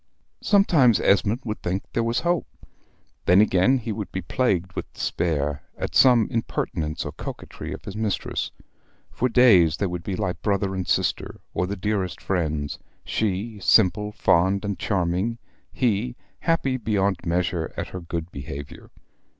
Sometimes Esmond would think there was hope. Then again he would be plagued with despair, at some impertinence or coquetry of his mistress. For days they would be like brother and sister, or the dearest friends she, simple, fond, and charming he, happy beyond measure at her good behavior.